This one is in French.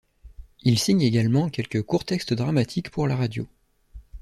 Il signe également quelques courts textes dramatiques pour la radio.